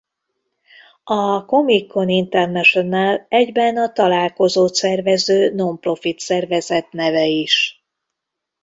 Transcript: A Comic-Con International egyben a találkozót szervező non-profit szervezet neve is.